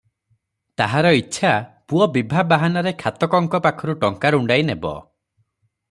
ତାହାର ଇଚ୍ଛା, ପୁଅ ବିଭା ବାହାନାରେ ଖାତକଙ୍କ ପାଖରୁ ଟଙ୍କା ରୁଣ୍ଡାଇ ନେବ ।